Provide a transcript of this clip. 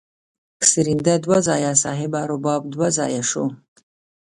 سرینده دوه ځایه صاحبه رباب دوه ځایه شو.